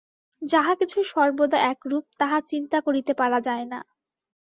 যাহা কিছু সর্বদা একরূপ, তাহা চিন্তা করিতে পারা যায় না।